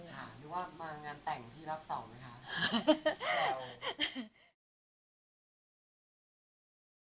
หรือว่ามางานแต่งพี่รอบ๒ไหมคะ